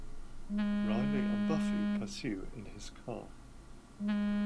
Riley and Buffy pursue in his car.